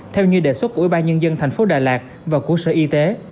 theo như đề xuất của ủy ban nhân dân thành phố đà lạt và của sở y tế